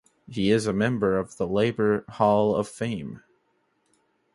He is a member of the Labor Hall of Fame.